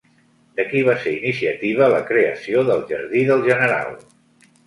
De qui va ser iniciativa la creació del Jardí del General?